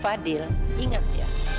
fadil ingat ya